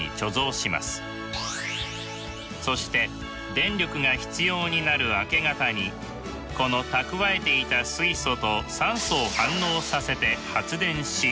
そして電力が必要になる明け方にこの蓄えていた水素と酸素を反応させて発電し供給します。